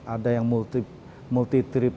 ada yang multi trip